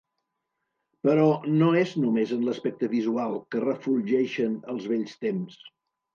Però no és només en l'aspecte visual que refulgeixen els vells temps.